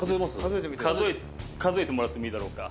数えてもらってもいいだろうか。